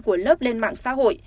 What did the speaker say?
của lớp lên mạng xã hội